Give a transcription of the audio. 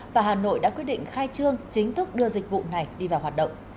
và hà nội đã quyết định khai trương chính thức đưa dịch vụ này đi vào hoạt động